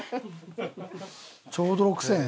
ちょうど６０００円？